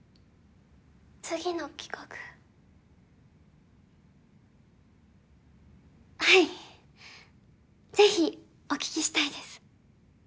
次の企画はいぜひお聞きしたいです